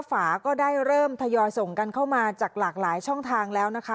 ฝาก็ได้เริ่มทยอยส่งกันเข้ามาจากหลากหลายช่องทางแล้วนะคะ